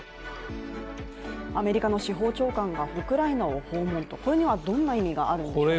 アメリカの司法長官がウクライナを訪問と、これには、どんな意味があるんでしょうか？